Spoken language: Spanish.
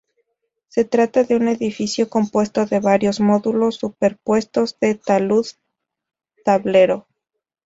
Se trata de un edificio compuesto de varios módulos superpuestos de talud-tablero.